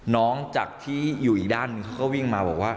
จากที่อยู่อีกด้านหนึ่งเขาก็วิ่งมาบอกว่า